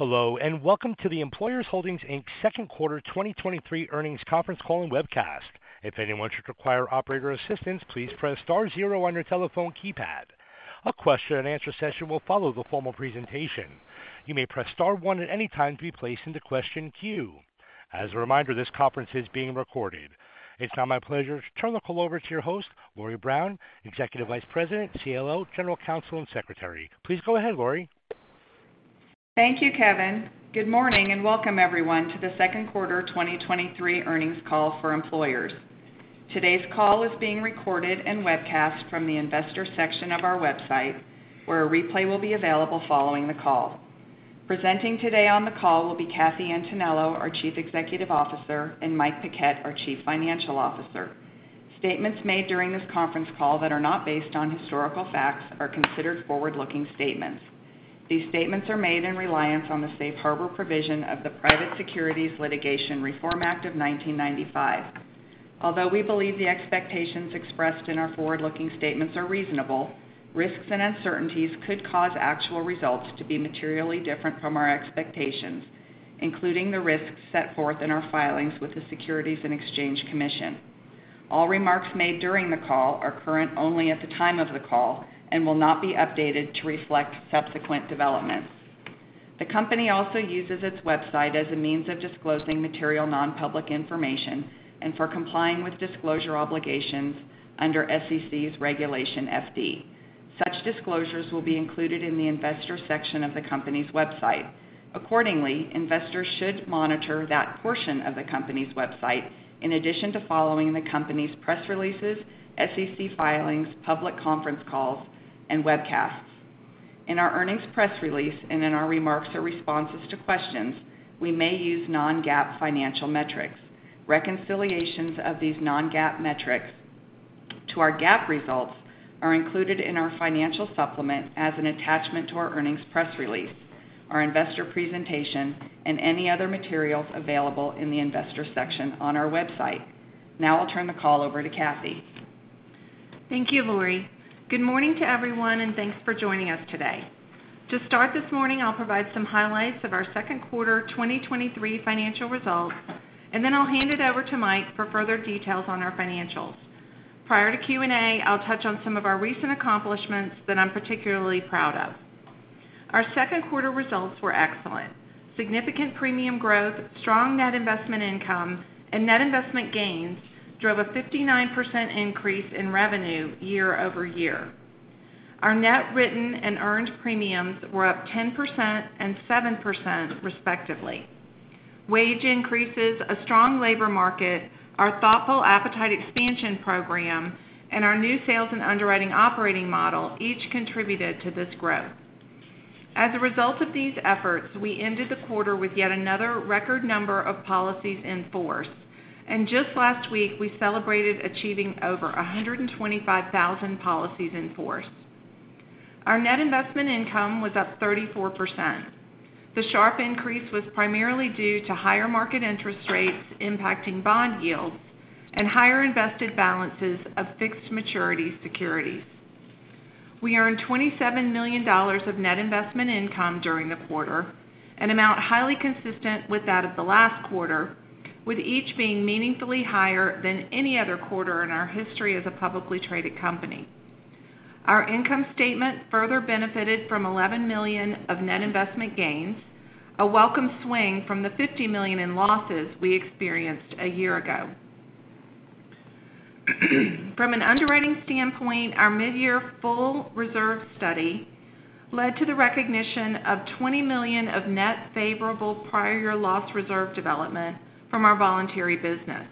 Hello, welcome to the Employers Holdings, Inc. Second Quarter 2023 Earnings Conference Call and Webcast. If anyone should require operator assistance, please press star zero on your telephone keypad. A question-and-answer session will follow the formal presentation. You may press star one at any time to be placed in the question queue. As a reminder, this conference is being recorded. It's now my pleasure to turn the call over to your host, Lori Brown, Executive Vice President, COO, General Counsel, and Secretary. Please go ahead, Lori. Thank you, Kevin. Good morning, welcome everyone to the second quarter 2023 earnings call for Employers. Today's call is being recorded and webcast from the investor section of our website, where a replay will be available following the call. Presenting today on the call will be Kathy Antonello, our Chief Executive Officer, and Mike Paquette, our Chief Financial Officer. Statements made during this conference call that are not based on historical facts are considered forward-looking statements. These statements are made in reliance on the safe harbor provision of the Private Securities Litigation Reform Act of 1995. Although we believe the expectations expressed in our forward-looking statements are reasonable, risks and uncertainties could cause actual results to be materially different from our expectations, including the risks set forth in our filings with the Securities and Exchange Commission. All remarks made during the call are current only at the time of the call and will not be updated to reflect subsequent developments. The company also uses its website as a means of disclosing material non-public information and for complying with disclosure obligations under SEC's Regulation FD. Such disclosures will be included in the Investors section of the company's website. Accordingly, investors should monitor that portion of the company's website in addition to following the company's press releases, SEC filings, public conference calls, and webcasts. In our earnings press release and in our remarks or responses to questions, we may use non-GAAP financial metrics. Reconciliations of these non-GAAP metrics to our GAAP results are included in our financial supplement as an attachment to our earnings press release, our investor presentation, and any other materials available in the Investors section on our website. Now I'll turn the call over to Kathy. Thank you, Lori. Good morning to everyone, and thanks for joining us today. To start this morning, I'll provide some highlights of our second quarter 2023 financial results, and then I'll hand it over to Mike for further details on our financials. Prior to Q&A, I'll touch on some of our recent accomplishments that I'm particularly proud of. Our second quarter results were excellent. Significant premium growth, strong net investment income, and net investment gains drove a 59% increase in revenue year-over-year. Our net written and earned premiums were up 10% and 7%, respectively. Wage increases, a strong labor market, our thoughtful appetite expansion program, and our new sales and underwriting operating model each contributed to this growth. As a result of these efforts, we ended the quarter with yet another record number of policies in force, and just last week, we celebrated achieving over 125,000 policies in force. Our net investment income was up 34%. The sharp increase was primarily due to higher market interest rates impacting bond yields and higher invested balances of fixed maturity securities. We earned $27 million of net investment income during the quarter, an amount highly consistent with that of the last quarter, with each being meaningfully higher than any other quarter in our history as a publicly traded company. Our income statement further benefited from $11 million of net investment gains, a welcome swing from the $50 million in losses we experienced a year ago. From an underwriting standpoint, our mid-year full reserve study led to the recognition of $20 million of net favorable prior year loss reserve development from our voluntary business.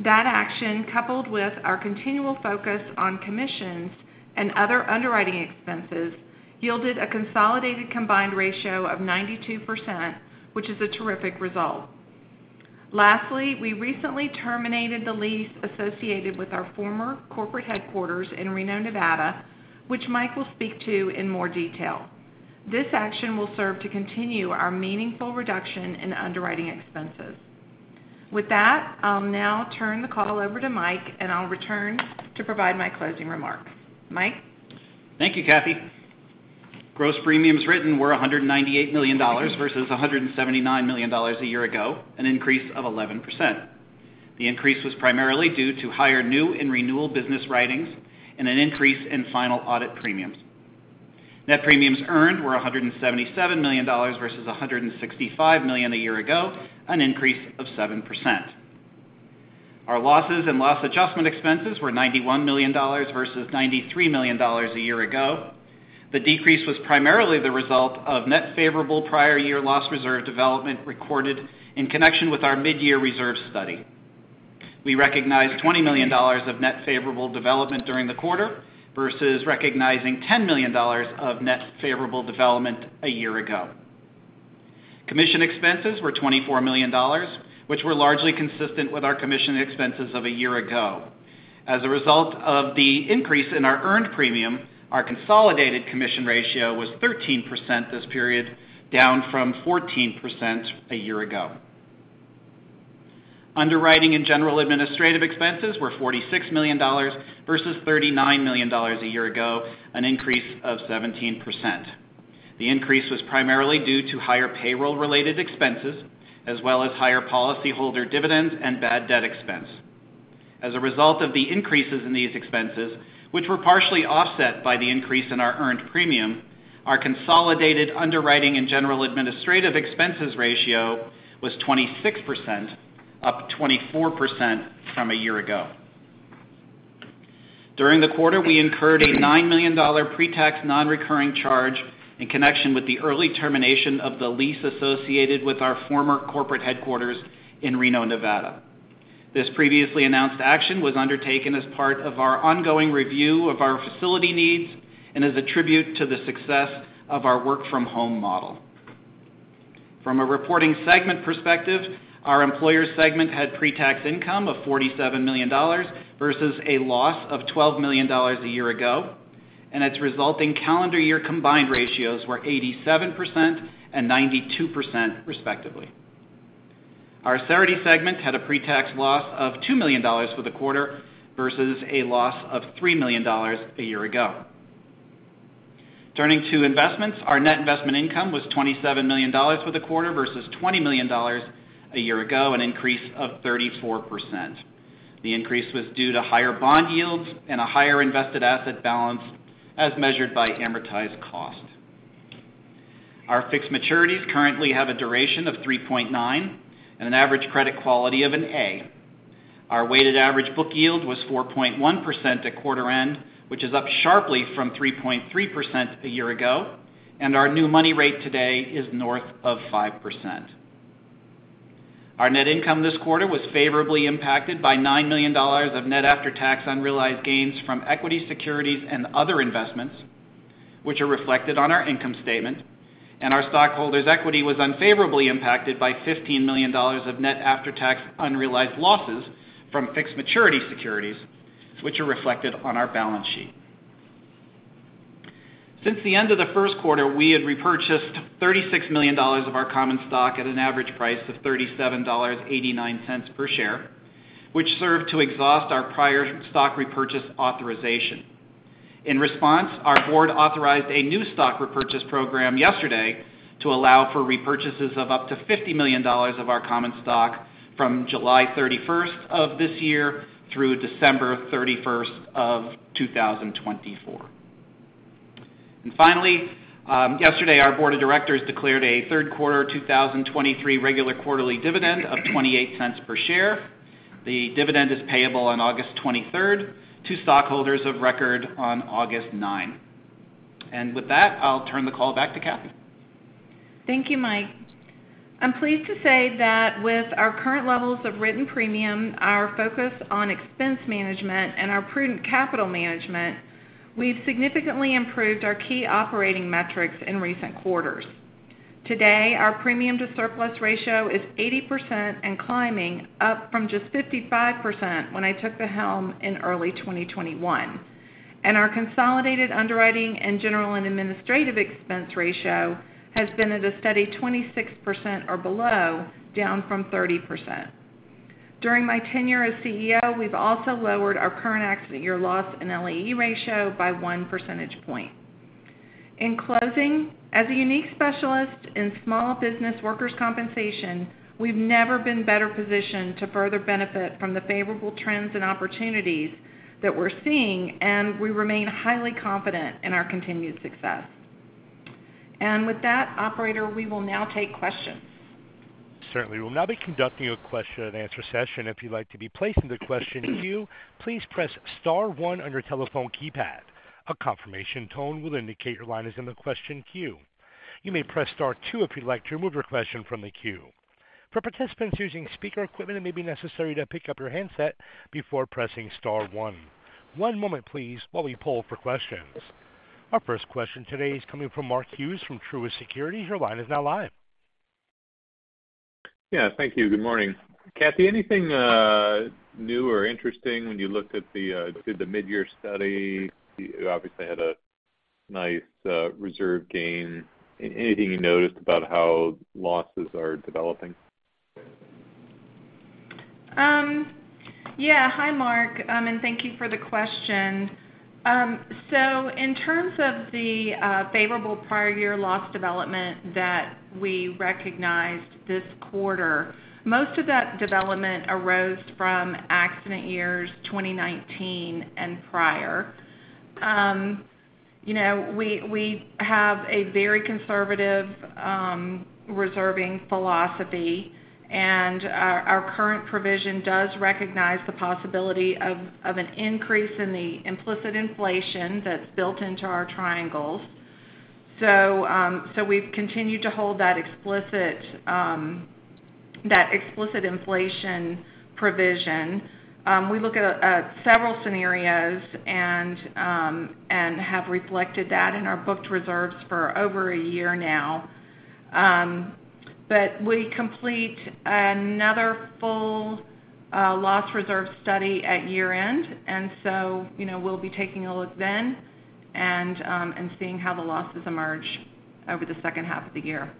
That action, coupled with our continual focus on commissions and other underwriting expenses, yielded a consolidated combined ratio of 92%, which is a terrific result. Lastly, we recently terminated the lease associated with our former corporate headquarters in Reno, Nevada, which Mike will speak to in more detail. This action will serve to continue our meaningful reduction in underwriting expenses. With that, I'll now turn the call over to Mike, and I'll return to provide my closing remarks. Mike? Thank you, Kathy. Gross premiums written were $198 million versus $179 million a year ago, an increase of 11%. The increase was primarily due to higher new and renewal business writings and an increase in final audit premiums. Net premiums earned were $177 million versus $165 million a year ago, an increase of 7%. Our losses and loss adjustment expenses were $91 million versus $93 million a year ago. The decrease was primarily the result of net favorable prior year loss reserve development recorded in connection with our mid-year reserve study. We recognized $20 million of net favorable development during the quarter versus recognizing $10 million of net favorable development a year ago. Commission expenses were $24 million, which were largely consistent with our commission expenses of a year ago. As a result of the increase in our earned premium, our consolidated commission ratio was 13% this period, down from 14% a year ago. Underwriting and general administrative expenses were $46 million versus $39 million a year ago, an increase of 17%. The increase was primarily due to higher payroll-related expenses, as well as higher policyholder dividends and bad debt expense. As a result of the increases in these expenses, which were partially offset by the increase in our earned premium, our consolidated underwriting and general administrative expenses ratio was 26%, up 24% from a year ago. During the quarter, we incurred a $9 million pretax nonrecurring charge in connection with the early termination of the lease associated with our former corporate headquarters in Reno, Nevada. This previously announced action was undertaken as part of our ongoing review of our facility needs and is a tribute to the success of our work-from-home model. From a reporting segment perspective, our employer segment had pretax income of $47 million versus a loss of $12 million a year ago, and its resulting calendar year combined ratios were 87% and 92%, respectively. Our Cerity segment had a pretax loss of $2 million for the quarter versus a loss of $3 million a year ago. Turning to investments. Our net investment income was $27 million for the quarter versus $20 million a year ago, an increase of 34%. The increase was due to higher bond yields and a higher invested asset balance as measured by amortized cost. Our fixed maturities currently have a duration of 3.9% and an average credit quality of an A. Our weighted average book yield was 4.1% at quarter end, which is up sharply from 3.3% a year ago. Our new money rate today is north of 5%. Our net income this quarter was favorably impacted by $9 million of net after-tax unrealized gains from equity, securities, and other investments, which are reflected on our income statement. Our stockholders' equity was unfavorably impacted by $15 million of net after-tax unrealized losses from fixed maturity securities, which are reflected on our balance sheet. Since the end of the first quarter, we had repurchased $36 million of our common stock at an average price of $37.89 per share, which served to exhaust our prior stock repurchase authorization. In response, our board authorized a new stock repurchase program yesterday to allow for repurchases of up to $50 million of our common stock from July 31st of this year through December 31st of 2024. Finally, yesterday, our board of directors declared a third quarter 2023 regular quarterly dividend of $0.28 per share. The dividend is payable on August 23rd to stockholders of record on August 9. With that, I'll turn the call back to Kathy. Thank you, Mike. I'm pleased to say that with our current levels of written premium, our focus on expense management, and our prudent capital management, we've significantly improved our key operating metrics in recent quarters. Today, our premium-to-surplus ratio is 80% and climbing, up from just 55% when I took the helm in early 2021. Our consolidated underwriting and general and administrative expense ratio has been at a steady 26% or below, down from 30%. During my tenure as CEO, we've also lowered our current accident year loss and LAE ratio by 1 percentage point. In closing, as a unique specialist in small business workers' compensation, we've never been better positioned to further benefit from the favorable trends and opportunities that we're seeing, and we remain highly confident in our continued success. With that, operator, we will now take questions. Certainly. We'll now be conducting a question-and-answer session. If you'd like to be placed in the question queue, please press star one on your telephone keypad. A confirmation tone will indicate your line is in the question queue. You may press star two if you'd like to remove your question from the queue. For participants using speaker equipment, it may be necessary to pick up your handset before pressing star one. One moment, please, while we poll for questions. Our first question today is coming from Mark Hughes from Truist Securities. Your line is now live. Yeah, thank you. Good morning. Kathy, anything new or interesting when you looked at the did the midyear study? You obviously had a nice reserve gain. Anything you noticed about how losses are developing? Yeah. Hi, Mark, thank you for the question. In terms of the favorable prior year loss development that we recognized this quarter, most of that development arose from accident years 2019 and prior. You know, we have a very conservative reserving philosophy, and our current provision does recognize the possibility of an increase in the implicit inflation that's built into our triangles. We've continued to hold that explicit inflation provision. We look at several scenarios and have reflected that in our booked reserves for over a year now. We complete another full loss reserve study at year-end. You know, we'll be taking a look then. Seeing how the losses emerge over the second half of the year.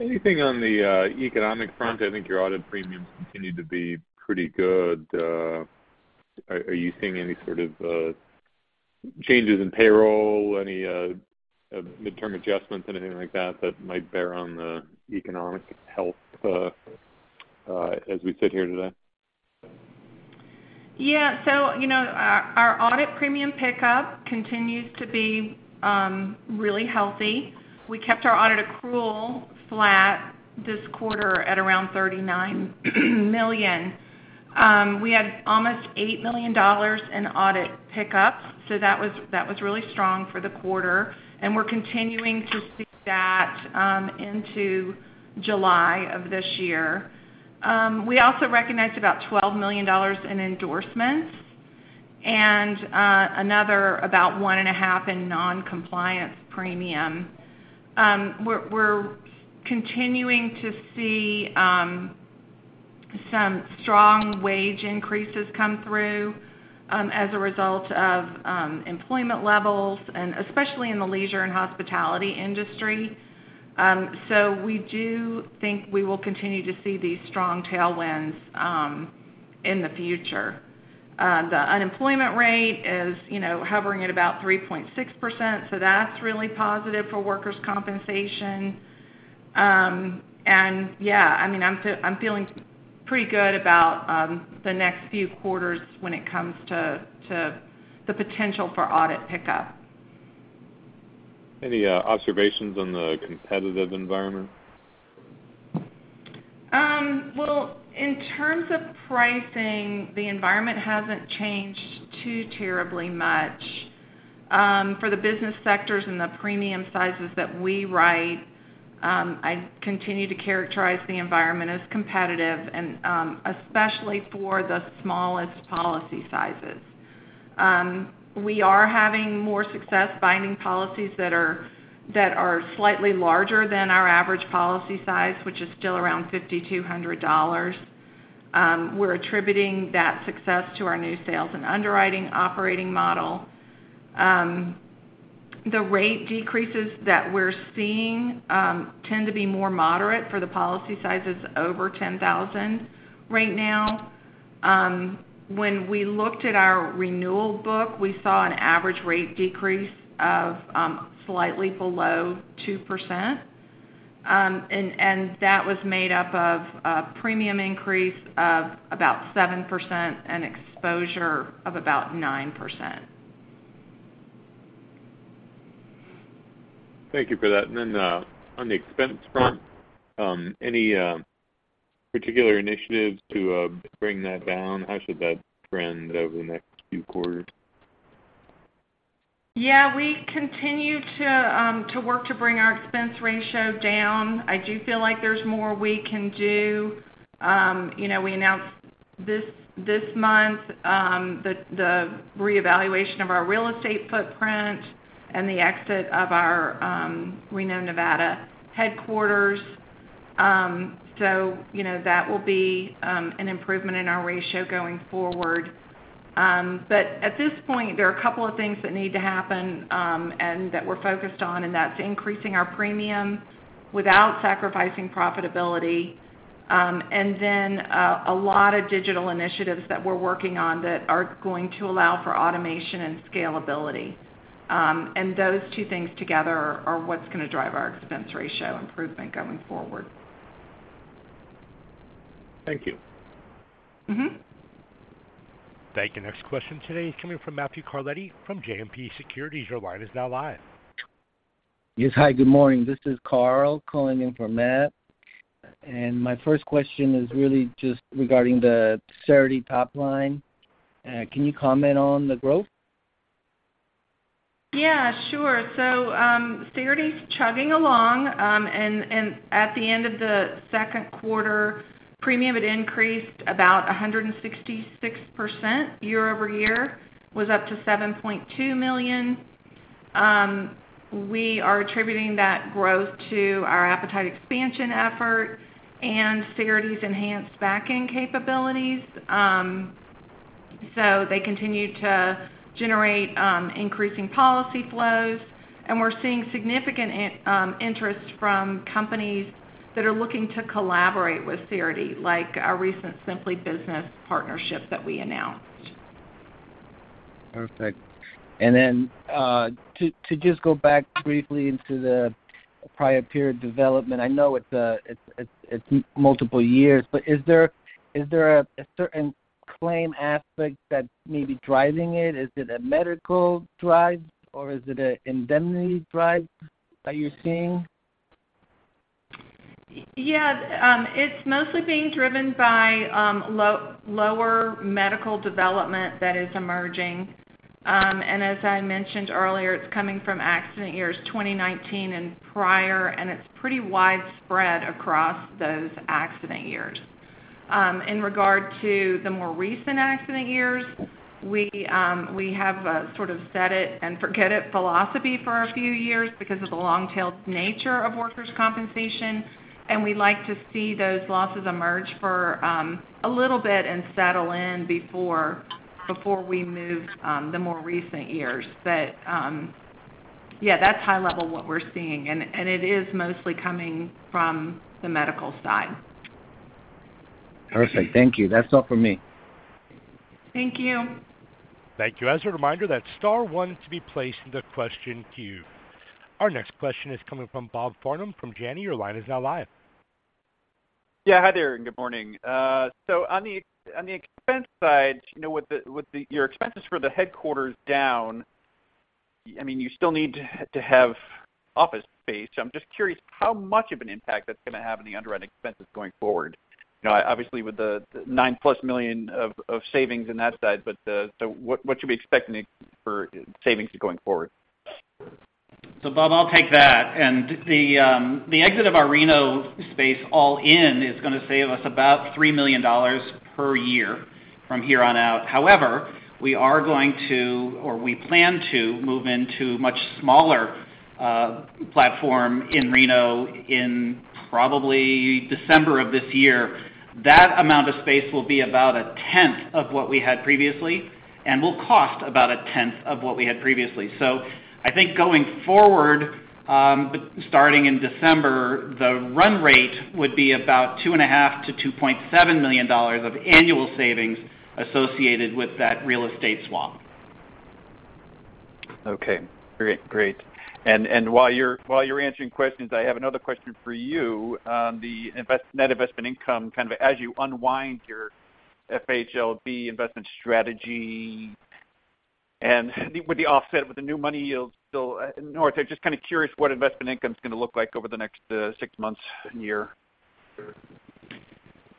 Anything on the economic front? I think your audit premiums continue to be pretty good. Are you seeing any sort of changes in payroll, any midterm adjustments, anything like that, that might bear on the economic health as we sit here today? Yeah. You know, our audit premium pickup continues to be really healthy. We kept our audit accrual flat this quarter at around $39 million. We had almost $8 million in audit pickup, so that was really strong for the quarter, and we're continuing to see that into July of this year. We also recognized about $12 million in endorsements and another about $1.5 million in non-compliance premium. We're continuing to see some strong wage increases come through as a result of employment levels and especially in the leisure and hospitality industry. We do think we will continue to see these strong tailwinds in the future. The unemployment rate is, you know, hovering at about 3.6%, that's really positive for workers' compensation. Yeah, I mean, I'm feeling pretty good about the next few quarters when it comes to the potential for audit pickup. Any observations on the competitive environment? Well, in terms of pricing, the environment hasn't changed too terribly much. For the business sectors and the premium sizes that we write, I continue to characterize the environment as competitive and, especially for the smallest policy sizes. We are having more success binding policies that are slightly larger than our average policy size, which is still around $5,200. We're attributing that success to our new sales and underwriting operating model. The rate decreases that we're seeing, tend to be more moderate for the policy sizes over 10,000 right now. When we looked at our renewal book, we saw an average rate decrease of slightly below 2%. That was made up of a premium increase of about 7% and exposure of about 9%. Thank you for that. Then, on the expense front, any particular initiatives to bring that down? How should that trend over the next few quarters? Yeah, we continue to work to bring our expense ratio down. I do feel like there's more we can do. You know, we announced this, this month, the reevaluation of our real estate footprint and the exit of our Reno, Nevada, headquarters. You know, that will be an improvement in our ratio going forward. At this point, there are a couple of things that need to happen, and that we're focused on, and that's increasing our premium without sacrificing profitability. Then, a lot of digital initiatives that we're working on that are going to allow for automation and scalability. Those two things together are what's going to drive our expense ratio improvement going forward. Thank you. Mm-hmm. Thank you. Next question today is coming from Matthew Carletti from JMP Securities. Your line is now live. Yes. Hi, good morning. This is Carl calling in for Matt. My first question is really just regarding the Cerity top line. Can you comment on the growth? Yeah, sure. Cerity's chugging along, and at the end of the second quarter, premium had increased about 166% year-over-year, was up to $7.2 million. We are attributing that growth to our appetite expansion effort and Cerity's enhanced backing capabilities. They continue to generate increasing policy flows, and we're seeing significant interest from companies that are looking to collaborate with Cerity, like our recent Simply Business partnership that we announced. Perfect. To just go back briefly into the prior period development, I know it's multiple years, but is there a certain claim aspect that may be driving it? Is it a medical drive, or is it a indemnity drive that you're seeing? Yeah, it's mostly being driven by lower medical development that is emerging. As I mentioned earlier, it's coming from accident years, 2019 and prior, and it's pretty widespread across those accident years. In regard to the more recent accident years, we have a sort of set it and forget it philosophy for a few years because of the long-tailed nature of workers' compensation, and we like to see those losses emerge for a little bit and settle in before, before we move the more recent years. Yeah, that's high level what we're seeing, and it is mostly coming from the medical side. Perfect. Thank you. That's all for me. Thank you. Thank you. As a reminder, that's star one to be placed in the question queue. Our next question is coming from Bob Farnham from Janney. Your line is now live. Yeah. Hi there, and good morning. On the expense side, you know, with your expenses for the headquarters down, I mean, you still need to have office space. I'm just curious how much of an impact that's gonna have on the underwriting expenses going forward. You know, obviously, with the $9+ million of savings in that side, but what should we expect next, for savings going forward? Bob, I'll take that. The, the exit of our Reno space, all in, is going to save us about $3 million per year from here on out. However, we plan to move into much smaller, platform in Reno in probably December of this year. That amount of space will be about a tenth of what we had previously and will cost about a tenth of what we had previously. I think going forward, starting in December, the run rate would be about $2.5 million-$2.7 million of annual savings associated with that real estate swap. Okay, great, great. While you're answering questions, I have another question for you. The net investment income, kind of, as you unwind your FHLB investment strategy and with the offset, with the new money you'll still... I'm just kind of curious what investment income is gonna look like over the next six months and one year.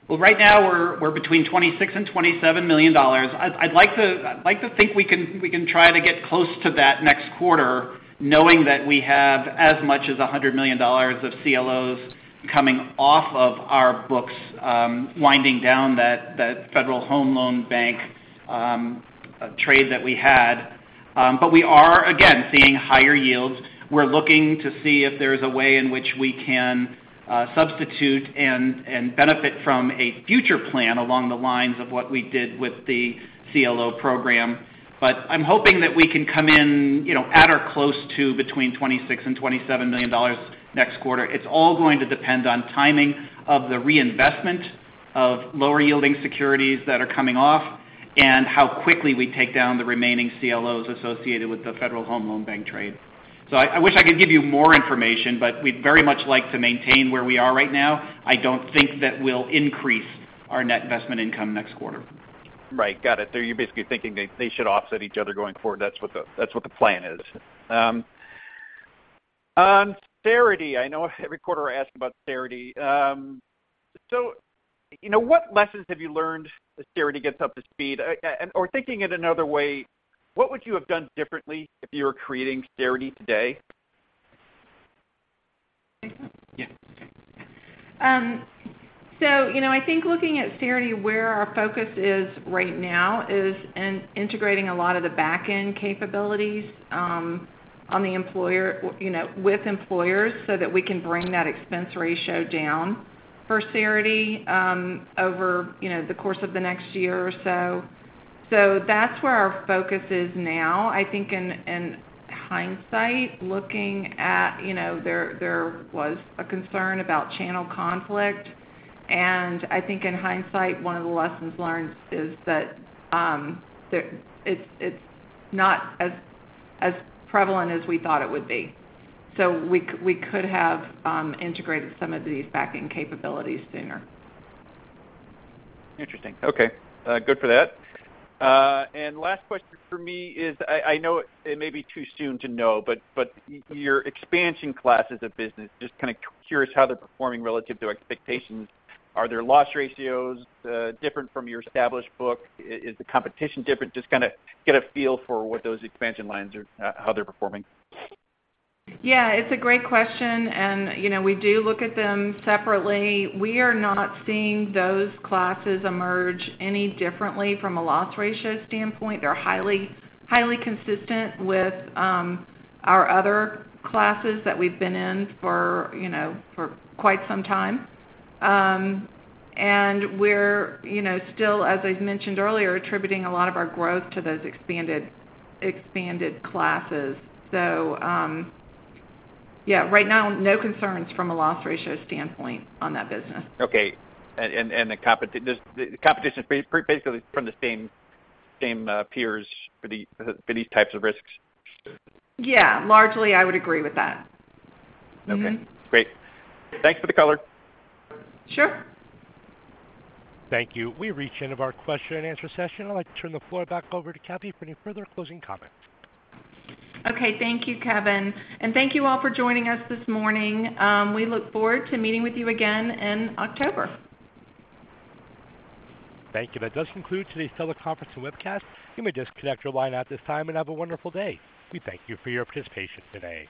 Right now, we're between $26 million and $27 million. I'd like to think we can try to get close to that next quarter, knowing that we have as much as $100 million of CLOs coming off of our books, winding down that Federal Home Loan Bank trade that we had. We are, again, seeing higher yields. We're looking to see if there's a way in which we can substitute and benefit from a future plan along the lines of what we did with the CLO program. I'm hoping that we can come in, you know, at or close to between $26 million and $27 million next quarter. It's all going to depend on timing of the reinvestment of lower-yielding securities that are coming off and how quickly we take down the remaining CLOs associated with the Federal Home Loan Bank trade. I, I wish I could give you more information, but we'd very much like to maintain where we are right now. I don't think that we'll increase our net investment income next quarter. Right. Got it. You're basically thinking they should offset each other going forward. That's what the plan is. On Cerity, I know every quarter I ask about Cerity. You know, what lessons have you learned as Cerity gets up to speed? Or thinking it another way, what would you have done differently if you were creating Cerity today? You know, I think looking at Cerity, where our focus is right now is in integrating a lot of the back-end capabilities on the employer, you know, with Employers, so that we can bring that expense ratio down for Cerity over, you know, the course of the next year or so. That's where our focus is now. I think in hindsight, looking at, you know, there was a concern about channel conflict. I think in hindsight, one of the lessons learned is that it's not as prevalent as we thought it would be. We could have integrated some of these back-end capabilities sooner. Interesting. Okay. Good for that. Last question for me is, I know it may be too soon to know, but your expansion classes of business, just kind of curious how they're performing relative to expectations. Are there loss ratios different from your established book? Is the competition different? Just kind of get a feel for what those expansion lines are, how they're performing. It's a great question, you know, we do look at them separately. We are not seeing those classes emerge any differently from a loss ratio standpoint. They're highly consistent with our other classes that we've been in for, you know, for quite some time. We're, you know, still, as I've mentioned earlier, attributing a lot of our growth to those expanded classes. Right now, no concerns from a loss ratio standpoint on that business. Okay. The competition is basically from the same peers for these types of risks? Yeah. Largely, I would agree with that. Mm-hmm. Okay, great. Thanks for the color. Sure. Thank you. We've reached the end of our question and answer session. I'd like to turn the floor back over to Kathy for any further closing comments. Okay, thank you, Kevin, thank you all for joining us this morning. We look forward to meeting with you again in October. Thank you. That does conclude today's teleconference and webcast. You may disconnect your line at this time and have a wonderful day. We thank you for your participation today.